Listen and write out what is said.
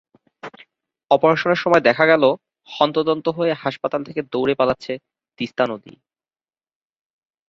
অপারেশনের সময় দেখা গেল হন্তদন্ত হয়ে হাসপাতাল থেকে দৌড়ে পালাচ্ছে তিস্তা নদী।